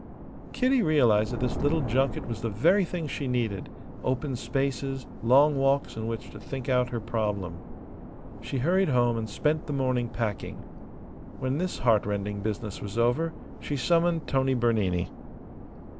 Kitty realized that this little junket was the very thing she needed open spaces, long walks in which to think out her problem. She hurried home and spent the morning packing. When this heartrending business was over she summoned Tony Bernini.